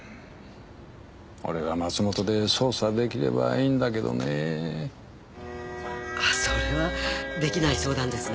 俺が松本で捜査できればいいんだけどねぇそれはできない相談ですね